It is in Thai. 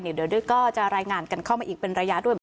เดี๋ยวก็จะรายงานกันเข้ามาอีกเป็นระยะด้วย